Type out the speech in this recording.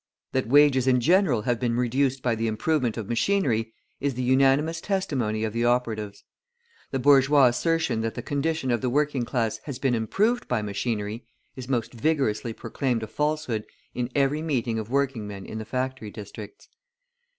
That wages in general have been reduced by the improvement of machinery is the unanimous testimony of the operatives. The bourgeois assertion that the condition of the working class has been improved by machinery is most vigorously proclaimed a falsehood in every meeting of working men in the factory districts.